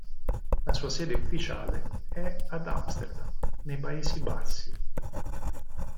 La sua sede ufficiale è ad Amsterdam, nei Paesi Bassi.